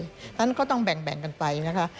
เพราะฉะนั้นก็ต้องแบ่งกันไปนะคะ